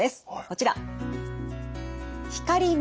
こちら。